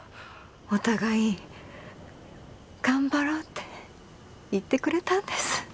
お互い頑張ろうって言ってくれたんです。